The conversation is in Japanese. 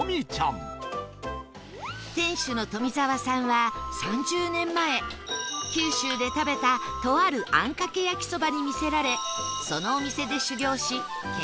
店主の富澤さんは３０年前九州で食べたとあるあんかけ焼きそばに魅せられそのお店で修業し研究を重ね